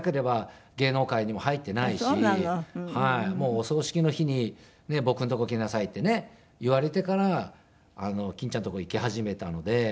お葬式の日に「僕のとこ来なさい」ってね言われてから欽ちゃんのとこ行き始めたので。